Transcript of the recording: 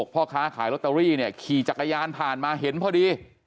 พ่อค้าขายลอตเตอรี่เนี่ยขี่จักรยานผ่านมาเห็นพอดี